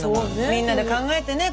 みんなで考えてね